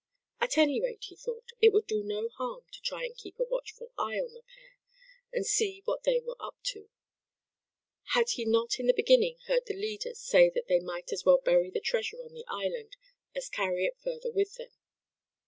At any rate, he thought, it would do no harm to try and keep a watchful eye on the pair, and see what they were up to. Had he not in the beginning heard the leader say that they might as well bury the treasure on the island as carry it further with them.